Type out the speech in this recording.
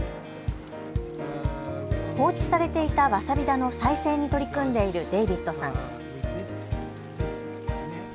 放置されていたわさび田の再生に取り組んでいるデイビッドさん。